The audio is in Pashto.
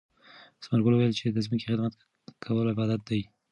ثمر ګل وویل چې د ځمکې خدمت کول عبادت دی.